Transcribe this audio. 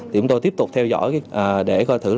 chúng tôi tiếp tục theo dõi để coi thử